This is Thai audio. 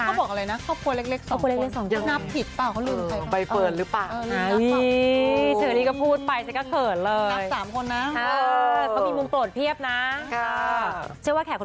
คนก็เป็นแฟนกันนะเนอะแล้วก็มีอะไรที่มันเหมือนกัน